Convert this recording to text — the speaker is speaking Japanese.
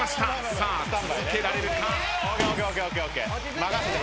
さあ続けられるか。